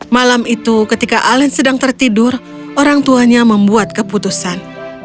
malam itu ketika alen sedang tertidur orang tuanya membuat keputusan